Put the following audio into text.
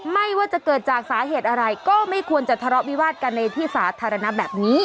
ไม่ว่าจะเกิดจากสาเหตุอะไรก็ไม่ควรจะทะเลาะวิวาสกันในที่สาธารณะแบบนี้